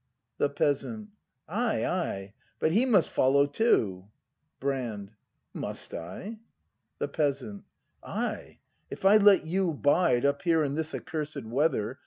The Peasant. Ay, ay; but he must follow too! Brand. Must I ? The Peasant. Ay, if I let you bide 4 Up here in this accursed weather.